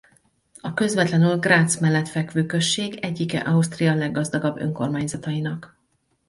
A közvetlenül Graz mellett fekvő község egyike Ausztria leggazdagabb önkormányzatainak.